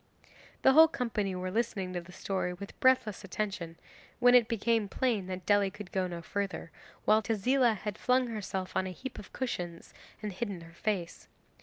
The whole company were listening to the story with breathless attention, when it became plain that Dely could go no further, while Tezila had flung herself on a heap of cushions and hidden her face.